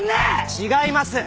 違います！